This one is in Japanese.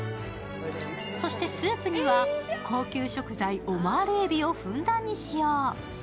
そしてスープには高級食材オマール海老をふんだんに使用。